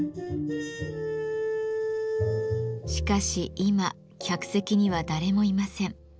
しかし今客席には誰もいません。